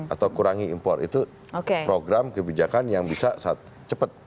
atau kurangi impor itu program kebijakan yang bisa cepat